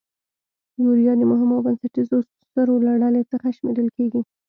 یوریا د مهمو او بنسټیزو سرو له ډلې څخه شمیرل کیږي.